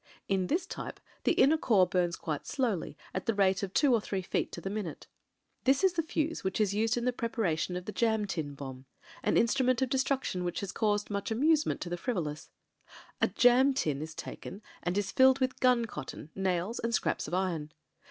In this type the inner core bums quite slowly at the rate of two or three feet to the minute. This is the fuze which is used in the preparation of the jam tin bomb: an instrument of destmction which has caused much amusement to the BLACK, WHITE, AND— GREY 275 frivolous. A jam tin is taken and is filled with gun cotton, nails, and scraps of iron.